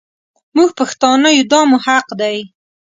مونږ پښتانه يو دا مو حق دی.